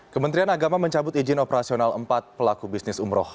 kementerian agama mencabut izin operasional empat pelaku bisnis umroh